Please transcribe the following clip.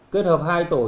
kết hợp hai tổ